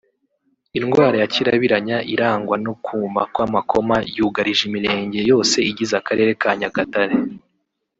Indwara ya kirabiranya irangwa no kuma kw’amakoma yugarije imirenge yose igize akarere ka Nyagatare